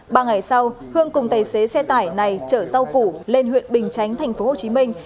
ba ngày sau hương cùng tài xế xe tải này chở rau củ lên huyện bình chánh thành phố hồ chí minh